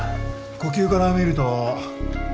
呼吸から見ると誤嚥か？